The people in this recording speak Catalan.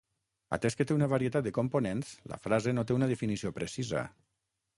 Atès que té una varietat de components, la frase no té una definició precisa.